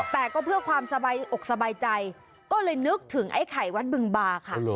แต่ก็เพื่อความสบายอกสบายใจก็เลยนึกถึงไอ้ไข่วัดบึงบาค่ะ